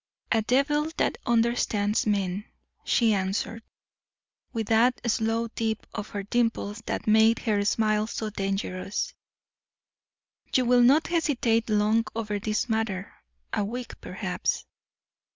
"A devil that understands men," she answered, with that slow dip of her dimples that made her smile so dangerous. "You will not hesitate long over this matter; a week, perhaps."